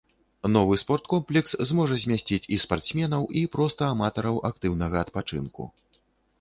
Новы спорткомплекс зможа змясціць і спартсменаў, і проста аматараў актыўнага адпачынку.